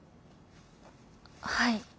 はい。